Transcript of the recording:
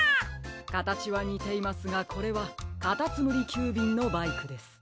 かたちはにていますがこれはかたつむりきゅうびんのバイクです。